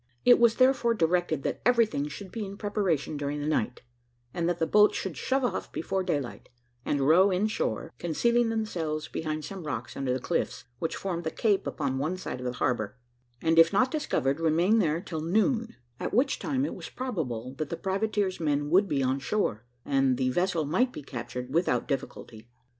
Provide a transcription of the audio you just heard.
It was therefore directed that everything should be in preparation during the night, and that the boats should shove off before daylight, and row in shore, concealing themselves behind some rocks under the cliffs which formed the cape upon one side of the harbour; and, if not discovered, remain there till noon, at which time it was probable that the privateer's men would be on shore, and the vessel might be captured without difficulty.